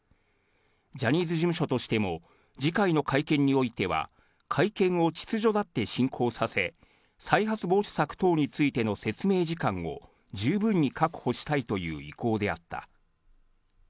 ジャニーズ事務所としても、次回の会見においては会見を秩序だって進行させ、再発防止策等についての説明時間を十分に確保したいという意向であった。